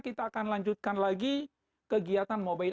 kita akan lanjutkan lagi kegiatan mobile